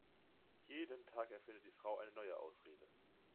Jeden Tag erfindet die Frau eine neue Ausrede.